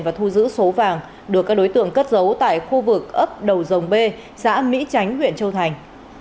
và thu giữ số vàng được các đối tượng cất giấu tại khu vực ấp đầu dòng b xã mỹ chánh huyện châu thành